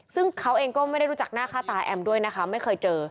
ซึ่งเขาเองก็ไม่ได้รู้จักหน้าค่าตาแอมด้วยนะคะไม่เคยเจอ